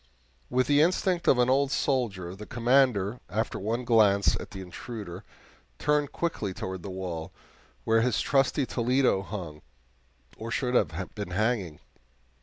With the instinct of an old soldier, the Commander, after one glance at the intruder, turned quickly toward the wall, where his trusty Toledo hung, or should have been hanging.